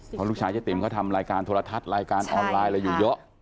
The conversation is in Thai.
เพราะลูกชายเจ๊ติ๋มเขาทำรายการโทรทัศน์รายการออนไลน์อะไรอยู่เยอะ